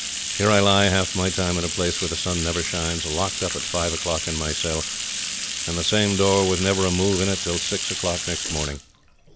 Here I lie, half my time in a place where the sun never shines, locked up at five o'clock in my cell, and the same door with never a move in it till six o'clock next morning.